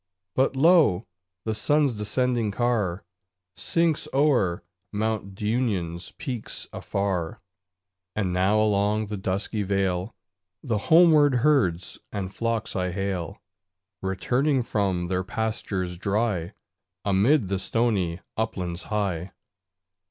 But lo! the sun's descending car Sinks o'er Mount Dunion's peaks afar; And now along the dusky vale The homeward herds and flocks I hail, Returning from their pastures dry Amid the stony uplands high.